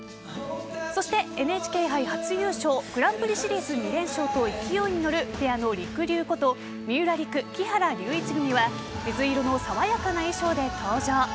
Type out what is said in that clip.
そして、ＮＨＫ杯初優勝グランプリシリーズ２連勝と勢いに乗るペアのりくりゅうこと三浦璃来・木原龍一組は水色の爽やかな衣装で登場。